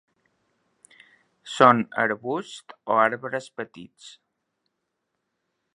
Són arbusts o arbres petits.